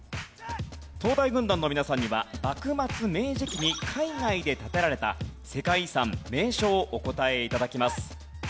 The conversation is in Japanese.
東大軍団の皆さんには幕末・明治期に海外で建てられた世界遺産・名所をお答え頂きます。